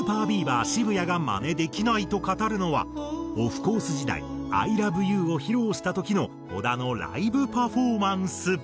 渋谷がマネできないと語るのはオフコース時代『ＩＬＯＶＥＹＯＵ』を披露した時の小田のライブパフォーマンス。